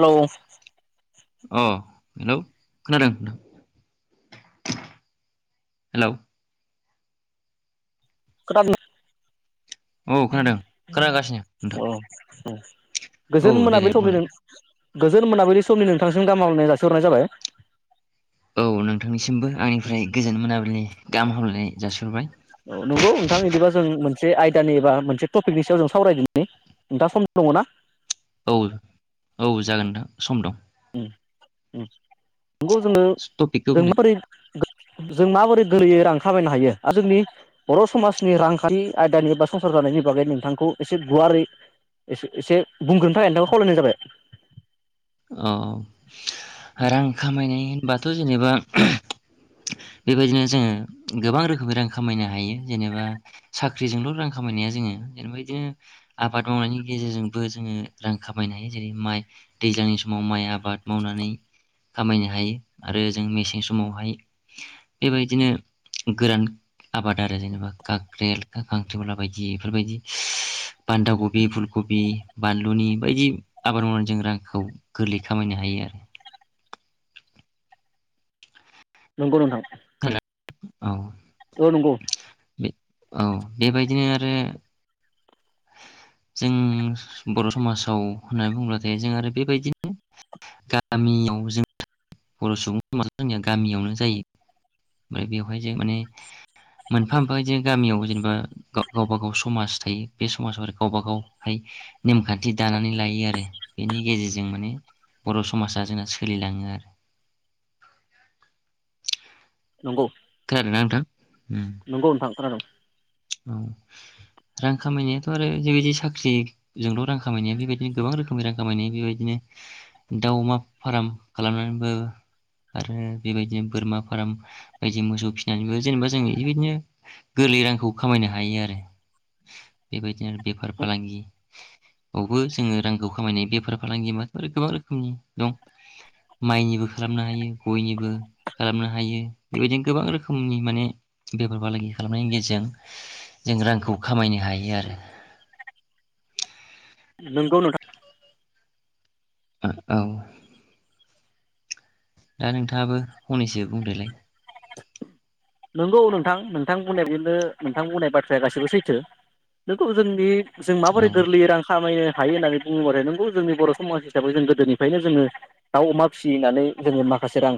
हेल' अ हेलौ खोनादों? हेलौ खोनादों औ खोनादों खोनागासिनो नोंथां। औ औ गोजोन औ देलाय मोनाबिलियावनो बुंलाय सफैदों गोजोन मोनाबिलि समनि नोंथांसिम गाहाम हामलायनाय जासिहरनाय जाबाय। औ नोंथांनिसिमबो आंनिफ्राय गोजोन मोनाबिलिनि गाहाम हामलाय ओ जासिहरबाय। औ नंगौ नोंथां बिदिबा जों मोनसे आयदानि एबा मोनसे टपिकनि सायाव जों सावरायदोंनि नोंथाङा सम दङ ना? औ औ जागोन दा सम दं। ओम ओम नोंगौ जोङो टपिकखौ जों बुंलाय माबोरै जों माबोरै गोरलैयै रां खामायनो हायो आरो जोंनि बर' समाजनि रांखान्थि आयदानि एबा संसार जानायनि बागै नोंथांखौ एसे गुवारै एसे बुंग्रोनो थाखाय नोंथांखौ खावलायनाय जाबाय। औ रां खामायनाय होनबा दा' जेनेबा बेबायदिनो जोङो गोबां रोखोमनि रां खामायनो हायो जेनेबा साख्रिजोंल' रां खामायनाया जोङो जेनेबा बिदिनो आबाद मावनायनि गेजेरजोंबो जोङो रां खामायनो हायो जेरै माइ दैज्लांनि समाव माइ आबाद मावनानै खामायनो हायो आरो जों मेसें समावहाय बेबायदिनो गोरान आबाद आरो जेनेबा खाख्रलखा खांख्रिमला बायदि बेफोरबायदि बान्दा कबि फुलकबि बानलुनि बायदि आबाद मावनानै जों रांखौ गोरलै खामायनो हायो आरो। नंगौ नोंथां। औ द नोंगौ। औ बेबायदिनो आरो जों बर' समाजाव होननानै बुंब्लाथाय जों आरो बेबायदिनो गामियाव जों बर' सुबुं समाजा जोंनिया गामियावनो जायो ओमफ्राय बेवहाय जों माने मोनफा मोनफादि गामियाव जेनेबा गावबा गाव समाज थायो बे समाजाव गावबा गावहाय नेमखान्थि दानानै लायो आरो बेनि गेजेरजों माने बर' समाजा जोंना सोलिलाङो आरो। नंगौ खोनादों ना नोंथां? नोंगौ नोंथां खोनादों। औ रां खामायनायाथ' आरो जेबायदि साख्रिजोंल' रां खामायनाया बेबायदिनो गोबां रोखोमनि रां खामायनाय बेबायदिनो दा अमा फार्म खालामनानैबो आरो बेबायदिनो बोरमा फार्म बायदि मोसौ फिसिनानैबो जेनेबा जों बेबायदिनो गोरलै रांखौ खामायनो हायो आरो बेबायदिनो बेफार फालांगि बेयावबो जोङो रांखौ खामायनाय बेफार फालांगि माथ गोबां रोखोमनि दं माइनिबो खालामनो हायो गयनिबो खालामनो हायो बेबायदिनो गोबां रोखोमनि माने बेफार फालांगि खालामनायनि गेजेरजों जों रांखौ खामायनो हायो आरो नोंगौ नोंथां। औ । दा नोंथाङाबो हनैसो बुंदोलाय नंगौ नोंथां नोंथां बुंनाय बिदिनो नोंथां बुंनाय बाथ्राया गाससिबो सैथो नोंगौ जोंनि जों औ माबोरै गोरलै रां खामायनो हायो होननानै बुंङोबा नोंगौ जोंनि बर' समाज हिसाबै जों गोदोनिफ्रायनो जोङो दाउ, अमा फिसिनानै जोङो माखासे रां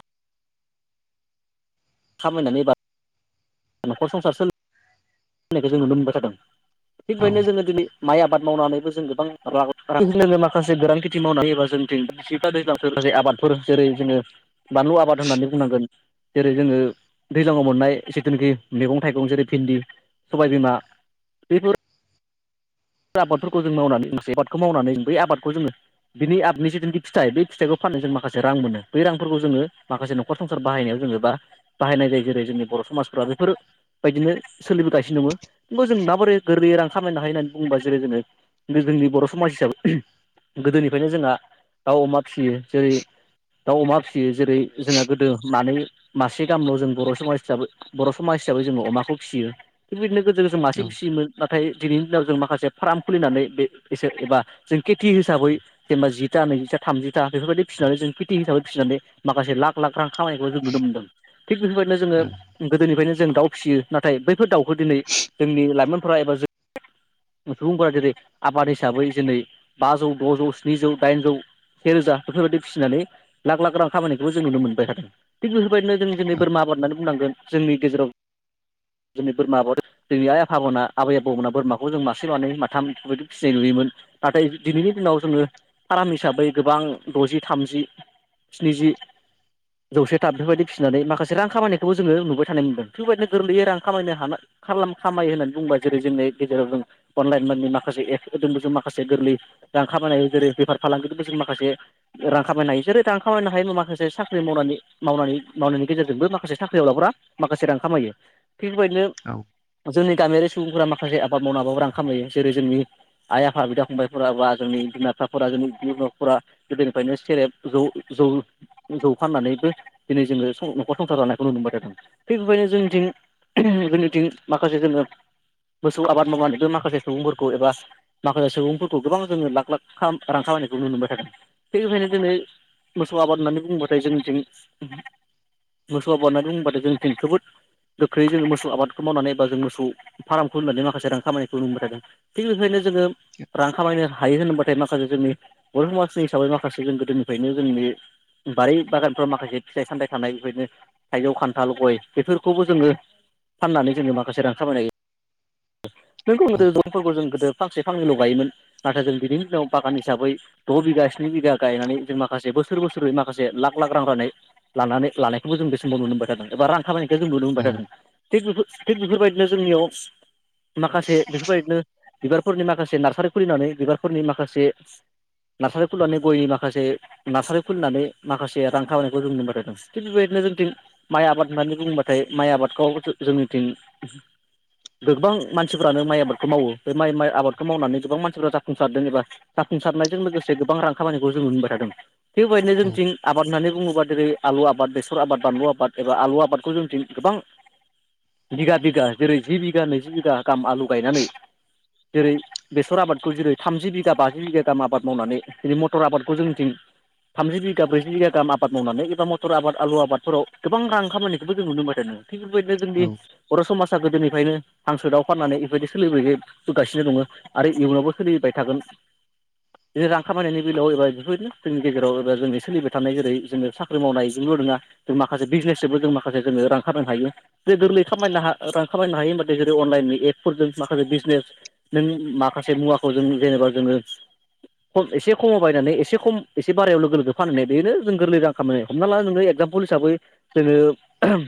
खामायनानै बा न'खर संसार सो होननायखौ जों नुनो मोनबाय थादों । थिग औ बेनो जोङो दिनै माइ आबाद मावनानैबो जों गोबां जोङो माखासे गोरां खेथि मावनानैायोबा जोंफ्रा दैज्लांफोर ज आबादफोर जेरै जोङो बानलु आबाद होननानै बुंनांगोन जेरै जोङो दैजाङाव मोननाय जितुनेखि मैगं थाइगं जेरै भिन्दि सबाय बिमा बेफोर आबादफोरखौ जों मावनानै माखासे आबादखौ मावनानै बै आबादखौ जोङो बिनि आबादनि जिथुनाखि फिथाइ बे फिथाइखौ फाननानै जों माखासे रां मोनो बै रांफोरखौ जोङो माखासे न'खर संसार बाहायनायाव जोङो बा बाहायनाय जायो जेरै जोंनि बर' समाजफ्रा बेफोरबायायदिनो सोलिबोगासिनो दङ' खिन्थु जों माबोरै गोरलै रां खामायनो हायो होननानै बुंङोबा जेरै जोङो जोंनि बर' समाज हिसाबै गोदोनिफ्रायनो जोंहा दाउ, अमा फिसियो जेरै दाउ, अमा फिसियो जेरै जोंहा गोदो मानै मासे गामल' जों बर' समाज हिसाबै बर' समाज हिसाबै जोङो अमाखौ फिसियो थिग बिदिनो गो जों मासे औ फिसियोमोन नाथाय दिनै दिनाव जों मा माखासे फार्म खुलिनानै बे एसे एबा जों खेथि हिसाबै जेनेबा जिथा नैजिथा थामजिथा बेफोरबायदि फिसिनानै जों खेथि हिसाबै फिसिनानै माखासे लाख लाख रां खामायनायखौ जों नुनो मोनदों । थिग बेफोरबायदिनो जोङो औ गोदोनिफ्रायनो जों दाउ फिसियो नाथाय बैफोर दाउखौ दिनै जोंनि लाइमोनफोरा एबा जों सुबुंफोरा जेरै आबाद हिसाबै दिनै बाजौ द'जौ स्निजौ दाइनजौ सेेरोजा बेफोरबायदि फिसिनानै लाख लाख रां खामानिखौबो जों नुनो मोनबाय थादों । थिग बेफोरबायदिनो जों दिनै बोरमा होननानै बुंनांगोन जोंनि गेजेराव जोंनि बोरमा आबाद जोंनि आइ आफामोना आबै आबौमोना बोरमाखौ जों मासे मानै माथाम बेफोरबायदि फिसिनाय नुयोमोन नाथाय दिनैनि दिनाव जोङो फाराम हिसाबै गोबां द'जि थामजि स्निजि जौसे थाम बेफोरबायदि फिसिनानै माखासे रां खामायनायखौबो जोङो नुबाय थानाय मोनदों बेफोरबायदिनो गोरलैयै रां खामायनो खामायो होननानै बुङोब्ला जेरै जोंनि गेजेराव जों अनलाइन म माखासे एप होदोंबो जों माखासे गोरलै रां खामायनो हायो जेरै बेफार फालांगिजोंबो जों माखासे रां खामायनो हायो जेरै रां खामायनो हायो माखासे साख्रि मावनानै मावनानै मावनायनि गेजेरजोंबो माखासे साख्रियाव लाग्रा माखासे रां खामायो । थिग औ बेबायदिनो जोंनि गामियारि सुबुंफोरा माखासे आबाद मावनानैबाबो रां खामायो जेरै जोंनि आइ आफा बिदा फंबायफोरा बा जोंनि बिमा बिफाफोरा जोंनि बिनाफोरा गोदोनिफ्रायनो सेरेब जौ जौ जौ फाननानैबो दिनै जोङो न'खर संसार जानायखौ नुनो मोनबाय थादों थिग बेबायनो जोंनिथिं जोंनिथिं माखासे जोङो मोसौ आबाद मावनानैबो माखासे सुबुंफोरखौ एबा माखासे सुबुंफोरखौ गोबां जोङो लाख लाख रां खामायनायखौ नुनो मोनबाय थादों थिग बेखायनो जोङो मोसौ आबाद होननानै बुंङोबाथाय जोंनिथिं मोसौ आबाद होननानै बुंङोबाथाय जोंनिथिं जोबोद गोख्रै जोङो मोसौ आबादखौ मावनानै एबा जों मोसौ फाराम खुलिनानै माखासे रां खामायनायखौ नुनोमोनबाय थादों थिग बिदिनो जोङो रां खामायनो हायो होनोबाथाय म माखासे जोंनि बर' समाजनि हिसाबै माखासे जों गोदोनिफ्रायनो जोंनि बारि बागानफ्राव माखासे फिथाइ सामथाइ थानाय बेफोरनो थाइजौ खान्थाल गय बेफोरखौबो जोङो फाननानै जोङो माखासे रां खामायनाय [unintelligible] फांसे फांनैल' गायोमोन नाथाय जों बिनि दिनाव बागान हिसाबै द' बिगा स्नि बिगा गायनानै जों माखासे बोसोर बोसोरै माखासे लाख लाख रां रायनाय लानानै लानायखौबो जों बे समोमाव नुनो मोनबाय थादों एबा रां खाबाय औ [unintelligible] थिग बेफोरबायदिनो जोंनियाव माखासे बेफोरबायदिनो बिबारफोरनि माखासे नार्सारि खुलिनानै बिबारफोरनि माखासे नार्सारि खुलिनानै गयनि माखासे नार्सारि खुलिनानै माखासे रां खामायनायखौ जों नबाय थादों थिग बेबायदिनो जोंथिं माइ आबाद होननानै बुङबाथाय माइ आबादखौ जोंनिथिं गोबां मानसिफ्रानो माइ आबादखौ मावो बे माइ आबादखौ मावनानै गोबां मानसिफ्रा जाफुंसारदों एबा जाफुंसारनायजों लोगोसे गोबां रां खामानिखौ जों नुबोबाय थादों। थिग बेबायदिनो जोंथिं आबाद होननानै बुङोबा जेरै आलु आबाद बेसर आबाद बानलु आबाद एबा आलु आबादखौ जों दिन गोबां बिगा बिगा जेरै जि बिगा नैजि बिगा गाहाम आलु गायनानै जेरै बेसर आबादखौ जेरै थामजि बिघा बाजि बिघा गाहाम आबाद मावनानै जेरै मटर आबादखौ जोंथिं थामजि बिघा ब्रैजि बिघा गाहाम आबाद मावनानै एबा मटर आबाद आलु आबादफोराव गोबां गाहां खामानिनायखौबो जों नुनो मोन थ नोङो थिग बेबायदिनो जोंनि बर' समाजा गो दि ओंखायनो हांसो दाव फाननानै बेफोरबायदि सोलिबोगासिनो दङ आरो इयुनावबो सोलिबाय थागोन जेरै रां खामायनायनि बेलायाव एबा बेफोरबायदिनो जोंनि गेजेराव एबा जोंनि सोलिबाय थानाय जेरै जोंङो साख्रि मावनाय जल' नङा जों माखासे बिजनेसजोंबो जों मासे जङो रां खनो हायो जेरै गोरलै खामायनो रां खामायनो हायो होमबाथाय जेरै अनलाइन एपफोरजों माखासे बिजनेस नों माखासे मुवाखौ जों जेनेबा जोङो ख एसे खमाव बायनानै एसे खम एसे बारायाव लोगो लोगो फानहनाय बेनो जों गोरलै रां खामनाय हमना ला नोङो एगजामपोल हिसाबै जोङो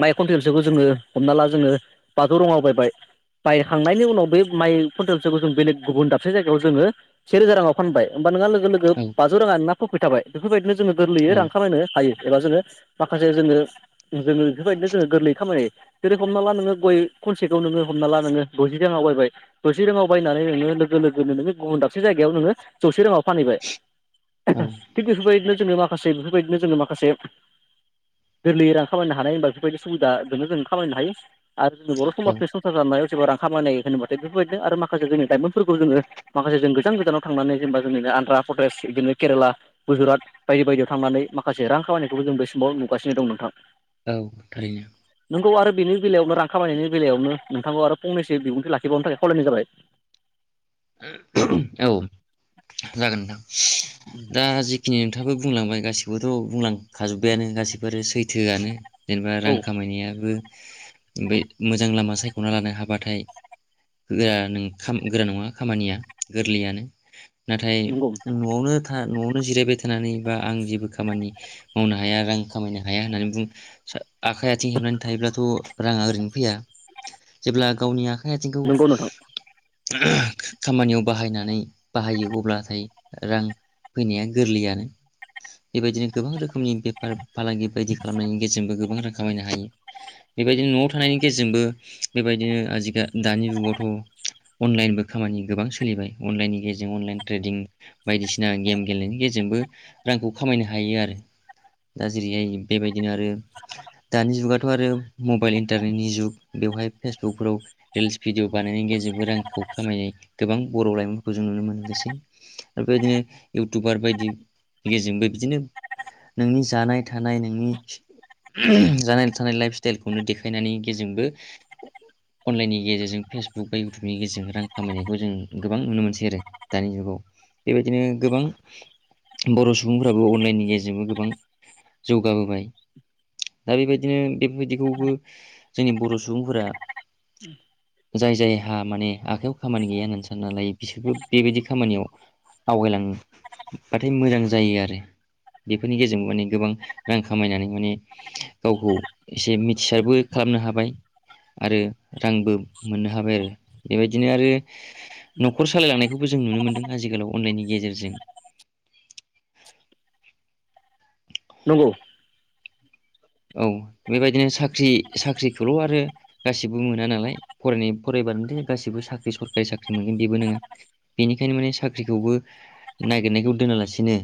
माइ खन्टेलसोखौ जोङो हमना ला जोङो बाथौ रङा बायबाय बायखांनायनि उनाव बे माइ कुइन्टेलसोखौ जों बे गुबुन दाबसे जायगायाव जोङो से रोजा राङाव फानबाय होमबा नङा लोगो लोगो लोगो बाजौ राङा ना फ्रफिथ थाबाय बेफोरबायदि नो जोङो गोरलैयै रां खामायनो हायो । एबा जोङो माखासे जोङो जोङो बेफोरबायदिनो जोङो गोरलैयै खामानि जेरो हमना ला नोङो गय खनसे खौ नोङो हमना ला नोङो द'जि राङाव बायबाय द'जि राङाव बायनानै नोङो लोगो लोगोनो नोङो गुबुन दाबसे जायगायाव नोङो जौसे राङाव फानहैबाय। औ औ थिग बेफोरबायदिनो जोङो मा खासे बेफोरबायदिनो जोङो माखासे गोरलै रां खामायनो हानाय होनबा बेफोरबायदि सुबिदाजोंनो जों खामायनो हायो। आरो जोंनि औ बर' समाज [unintelligible] रां खामायनाय होनबाथाय बेफोरबायदिनो आरो माखासे जोंनि लाइमोनफोरखौ जोङो माखासे जों गोजान गोजानाव थांनानै जेनेबा जोंनिनो आन्ध्रा प्रदेश बिदिनो केरेला गुजरात बायदि बायदियाव थांनानै माखासे रां खामायनायखौबो जों बे समाव नुगासिनो दं नोंथां औ थारैनो नोंगौ आरो बेनि बेलायावनो रां खामायनायनि बेलायावनो नोंथांखौ आरो फंनैसो बिबुंथि लाखिबावनो थाखाय खावलायनाय जाबाय। औ जागोन नोंथां। दा जिखिनि खोथाबो बुंलांबाय गासिबोथ' बुंलांखाजोब्बायानो गासिबो आरो सैथोआनो जेनेबा औ रां खामायनायाबो ओमफ्राय मोजां लामा सायख'ना लानो हाबाथाय गोरा नों गोरा नङा खामानिया गोरलैयानो नाथाय नंगौ न'आवनो न'आवनो जिरायबाय थानानै बा आं जेबो खामानि मावनो हाया रां खामायनो हाया होननानै बुं आखाइ आथिं हेबनानै थायोब्लाथ' राङा ओरैनो फैया। जेब्ला गावनि आख खाय आथिंखौ नंगौ नोंथां [inaudible] खामानियाव बाहायनानै बाहायो अब्लाथाय रां फैनाया गोरलैयानो बेबायदिनो गोबां रोखोमनि बेफार फालांगि बायदि खालामनायनि गेजेरजोंबो गोबां रां खामायनो हायो बेबायदिनो न'आव थानायनि गेजेरजोंबो बेबायदिनो आजिखा दानि जुगावथ' अनलाइनबो खामानि गोबां सोलिबाय अनलाइननि गेजेरजों अनलाइन ट्रेडिं बायदिसिना गेम गेलेनायनि गेजेरजोंबो रांखौ खामायनो हायो आरो दा जेरैहाय बेबायदिनो आरो दानि जुगाथ' आरो मबाइल इन्टारनेटनि जुग बेवहाय फेसबुकफोराव रिल्स भिडिअ बानायनायनि गेजेरजोंबो रांखौ खामायनाय गोबां बर' लाइमोनफोरखौ जों नुनो मोननोसै आरो बेबायदिनो इउटुबार बायदि गेजेरजोंबो बिदिनो नोंनि जानाय थानाय नोंनि जानाय थानाय लाइफ स्टाइलखौनो देखायनायनि गेजजोंबो अनलाइननि गेजेरजों फेसबुक बा इउटुबनि गेजेरजों रां खामायनायखौ जों गोबां नुनो मोनसै आरो दानि जुगाव बेबायदिनो गोबां बर' सुबुंफोराबो अनलाइननि गेजेरजोंबो गोबां जौगाबोबाय दा बेबायदिनो बेफोरबायदिखौबो जोंनि बर' सुबुंफोरा जाय जाय हा माने आखायाव खामानि गैया होननानै सानना लायो बिसोरबो बेबायदि खामानियाव आवगायलांबाथाय मोजां जायो आरो बेफोरनि गेजेरजोंबो माने गोबां रां खामायनानै माने गावखौ एसे मिथिसारबो खालामनो हाबाय आरो रांबो मोननो हाबाय आरो बेबायदिनो आरो न'खर सालायलांनायखौबो जों नुनो मोनदों आजिखालाव अनलाइननि गेजेरजों नंगौ औ बेबायदिनो साख्रि साख्रिखौल' आरो गासैबो मोना नालाय फरायनाय फरायबानोथो गासिबो साख्रि सरखारि साख्रि मोनगोन बेबो नोङा बेनिखायनो माने साख्रिखौबो नागिरनायखौ दोनालासिनो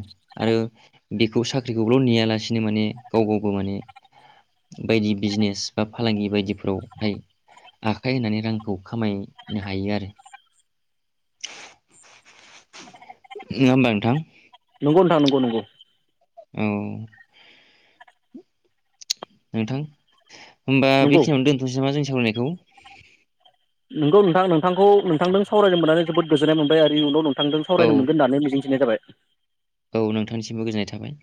आरो बेखौ साख्रिखौल' नेयालासिनो माने गाव गावबो माने बायदि बिजनेस बा फालांगि बायदिफोरावहाय आखाइ होनानै रांखौ खामायनो हायो आरो। नङा होमबा नोंथां नोंगौ नथां नोंगौ नोंगौ औ नोंथां होमबा नंगौ बेखिनियाव दोनथ'सै ना जों सा सावरानायखौ नोंगौ नोंथां नोंथांखौ नोंथांजों सावरायनो मोननानै जोबोद गोजोननाय मोनबाय आरो इउनाव नों नोंथांजों सावरायनो मोनगोन औ होननानै मिजिंथिनाय जाबाय औ नोंथांनिसिमबो गोजोननाय थाबाय